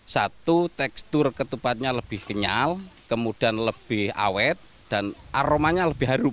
satu tekstur ketupatnya lebih kenyal kemudian lebih awet dan aromanya lebih haru